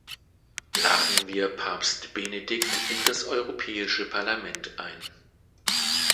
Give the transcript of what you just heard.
Laden wir Papst Benedikt in das Europäische Parlament ein.